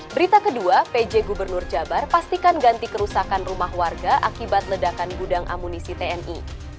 berita kedua pj gubernur jabar pastikan ganti kerusakan rumah warga akibat ledakan gudang amunisi tni